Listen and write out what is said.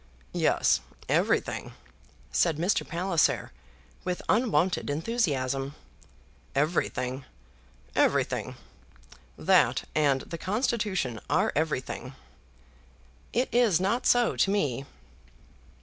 "Yes; everything," said Mr. Palliser with unwonted enthusiasm; "everything, everything. That and the Constitution are everything." "It is not so to me."